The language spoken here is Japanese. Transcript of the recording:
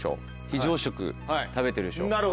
非常食食べてるでしょ。